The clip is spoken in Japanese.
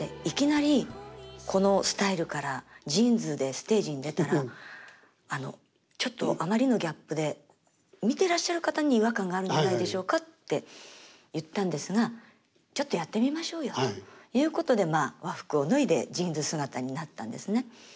「いきなりこのスタイルからジーンズでステージに出たらちょっとあまりのギャップで見てらっしゃる方に違和感があるんじゃないでしょうか？」って言ったんですが「ちょっとやってみましょうよ」っていうことでまあ和服を脱いでジーンズ姿になったんですね。